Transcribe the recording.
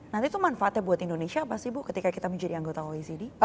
nanti itu manfaatnya buat indonesia apa sih bu ketika kita menjadi anggota oecd